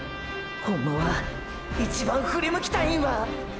ホンマは一番ふり向きたいんは！！